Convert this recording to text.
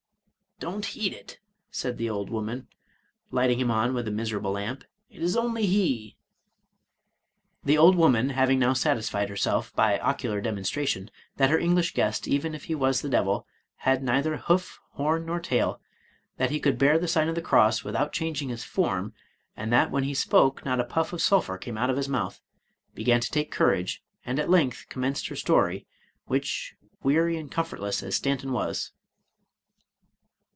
"Don't heed it," said the old woman, lighting him on with a miserable lamp; — "it is only he .... The old woman having now satisfied herself, by ocular demonstration, that her English guest, even if he was the devil, had neither horn, hoof, nor tail, that he could bear the sign of the cross without changing his form, and that, when he spoke, not a puflf of sulphur came out of his mouth, began to take courage, and at length commenced her story, which, weary and comfortless as Stanton was